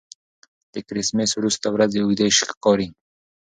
د کرېسمېس وروسته ورځې اوږدې ښکاري.